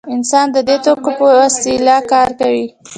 انسان د دې توکو په وسیله کار کوي.